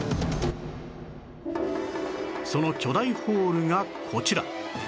その巨大ホールがこちら